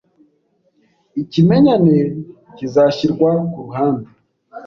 ikimenyane kizashyirwa ku ruhande